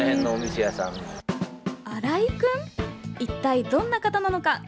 一体どんな方なのか。